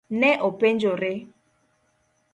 Ne openjore.